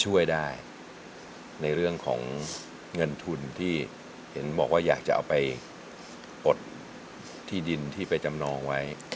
ช่วยได้ในเรื่องของเงินทุนที่เห็นบอกว่าอยากจะเอาไปปลดที่ดินที่ไปจำนองไว้